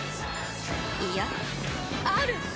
いやある！